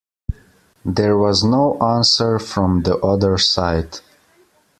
There was no answer from the other side.